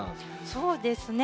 そうですね。